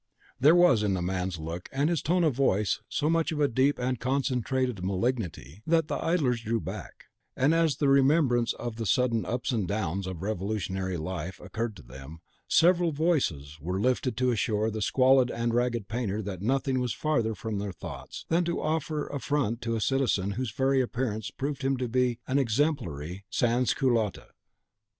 There was in the man's look and his tone of voice so much of deep and concentrated malignity, that the idlers drew back, and as the remembrance of the sudden ups and downs of revolutionary life occurred to them, several voices were lifted to assure the squalid and ragged painter that nothing was farther from their thoughts than to offer affront to a citizen whose very appearance proved him to be an exemplary sans culotte.